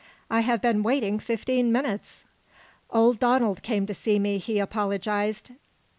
I have been waiting fifteen minutes!" "Old Donald came to see me," he apologized.